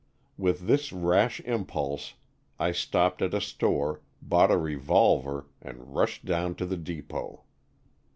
With this rash impulse I stopped at a store, bought a revolver and rushed down to the depot.